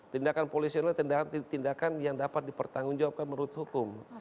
tindakan polisionil tindakan yang dapat dipertanggung jawabkan menurut hukum